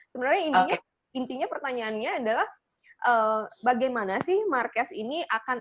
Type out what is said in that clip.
sebenernya intinya pertanyaannya adalah bagaimana sih marques ini akan